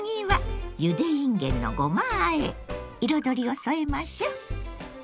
次は彩りを添えましょう。